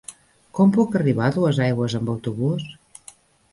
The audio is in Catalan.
Com puc arribar a Duesaigües amb autobús?